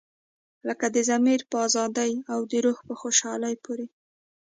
لکه د ضمیر په ازادۍ او د روح په خوشحالۍ پورې.